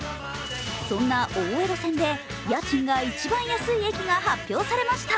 そんな大江戸線で家賃が一番安い駅が発表されました。